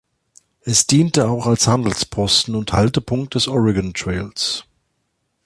Es diente auch als Handelsposten und Haltepunkt des Oregon Trails.